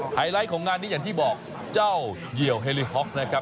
ไลท์ของงานนี้อย่างที่บอกเจ้าเหี่ยวเฮลิฮ็อกซ์นะครับ